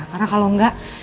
karena kalau gak